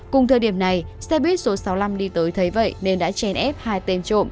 cùng thời điểm này xe buýt số sáu mươi năm đi tới thấy vậy nên đã chèn ép hai tên trộm